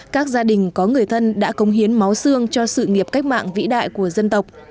các gia đình có người thân đã công hiến máu xương cho sự nghiệp cách mạng vĩ đại của dân tộc